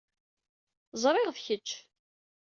Ẓriɣ d kečč.